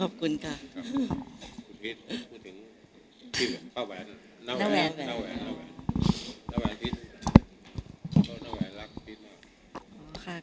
พี่พีชพูดถึงพี่ป้าแหวนน้าแหวนน้าแหวนพีชน้าแหวนรักพี่พีชมาก